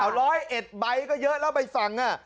หละร้อยเอชไบ้ก็เยอะแล้วไปฝั่ง